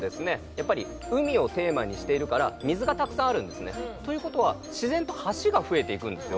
やっぱり海をテーマにしてるから水がたくさんあるんですねということは自然と橋が増えていくんですよ